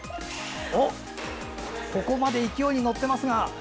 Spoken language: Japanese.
ここまで勢いに乗ってますが。